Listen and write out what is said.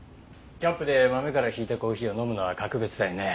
キャンプで豆からひいたコーヒーを飲むのは格別だよね。